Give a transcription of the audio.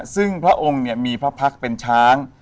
ซึ่งพระองค์เนี่ยมีพระพักษ์เป็นช้าง